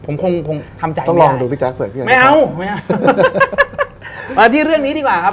มาที่เรื่องนี้ดีกว่าครับ